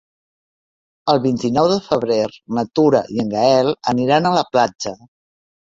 El vint-i-nou de febrer na Tura i en Gaël aniran a la platja.